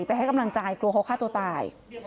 ให้กำลังใจกลัวเขาฆ่าตัวตาย